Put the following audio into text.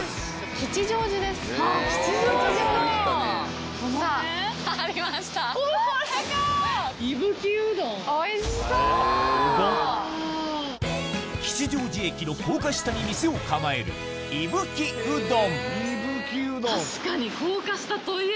吉祥寺駅の高架下に店を構える確かに。